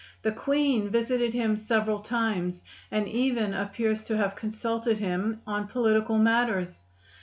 The queen visited him several times, and even appears to have consulted him on political matters.